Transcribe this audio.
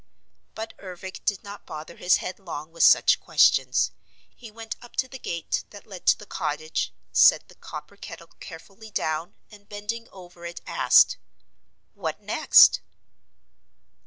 But Ervic did not bother his head long with such questions. He went up to the gate that led to the cottage, set the copper kettle carefully down and bending over it asked: "What next?"